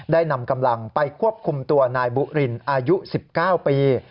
นำกำลังไปควบคุมตัวนายบุรินอายุ๑๙ปี